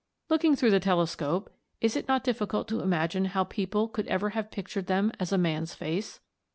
Looking through the telescope, is it not difficult to imagine how people could ever have pictured them as a man's face?